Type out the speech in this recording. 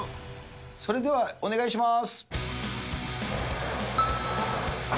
それではお願いします。